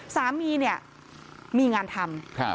สามีเนี่ยมีงานทำ